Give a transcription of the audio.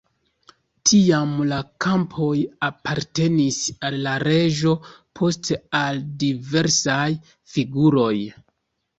Tiam la kampoj apartenis al la reĝo, poste al diversaj figuroj.